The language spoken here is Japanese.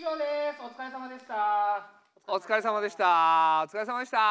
お疲れさまでした。